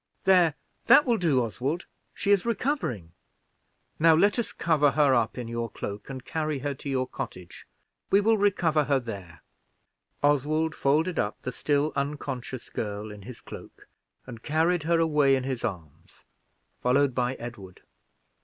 There, that will do, Oswald, she is recovering. Now let us cover her up in your cloak, and carry her to your cottage. We will recover her there." Oswald folded up the still unconscious girl in his cloak, and earned her away in his arms, followed by Edward.